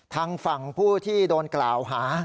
ทางฝั่งผู้ที่โดนกล่าวหา